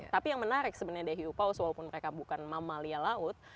tapi yang menarik sebenarnya di hiu paus walaupun mereka bukan mamalia laut